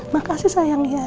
makasih sayang ya